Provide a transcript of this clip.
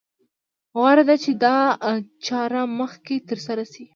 غوره ده چې دا چاره مخکې تر سره شي.